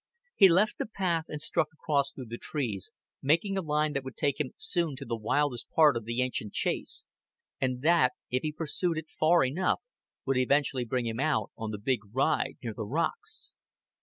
He left the path and struck across through the trees, making a line that would take him soon to the wildest part of the ancient Chase, and that, if he pursued it far enough, would eventually bring him out on the big ride near the rocks.